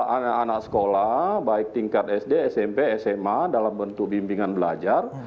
anak anak sekolah baik tingkat sd smp sma dalam bentuk bimbingan belajar